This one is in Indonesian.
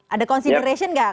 ada consideration nggak